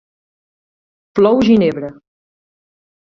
Plou ginebra!